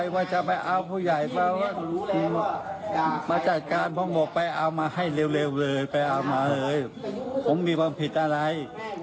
วารับสมุทธีวันเท่านั้น